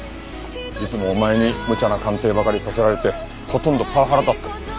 いつもお前にむちゃな鑑定ばかりさせられてほとんどパワハラだって。